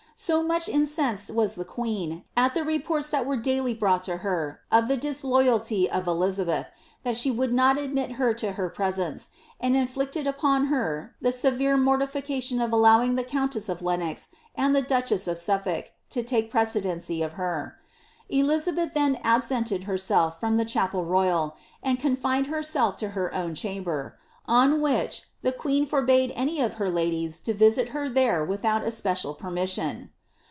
So much incensed was the queen, at the reports that were daily brought to her, of the disloyalty of Elizabeth, that she would not admit her to her presence, and inflicted upon her the severe mortification of allowing the countess of Lenox and the duchess of Suffolk to take precedency of her. Elizabeth then ab sented herself from the chapel royal, and confined herself to her own chamber; on which, the queen forbade any of her ladies to visit her there without especial permission.